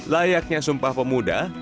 layaknya sumpah pemuda